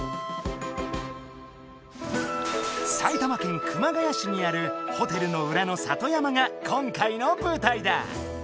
埼玉県熊谷市にあるホテルの裏の里山が今回の舞台だ。